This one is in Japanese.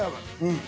うん。